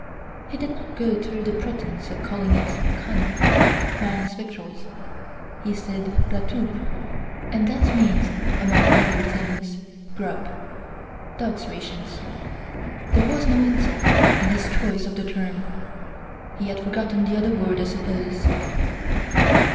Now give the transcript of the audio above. He did not go through the pretense of calling it " khana "— man's victuals. He said " ratub" and that means, among other things, " grub "— dog's rations. There was no insult in his choice of the term. He had forgotten the other word, I suppose.